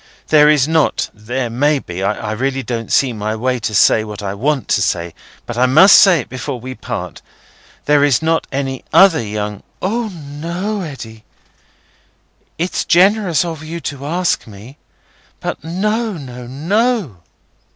There is not—there may be—I really don't see my way to what I want to say, but I must say it before we part—there is not any other young—" "O no, Eddy! It's generous of you to ask me; but no, no, no!"